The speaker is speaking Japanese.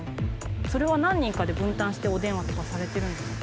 それは何人かで分担してお電話とかされてるんですか？